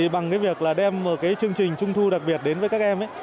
bằng việc đem một chương trình trung thu đặc biệt đến với các em